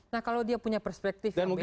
nah kalau dia punya perspektif yang berbeda